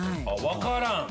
わからん？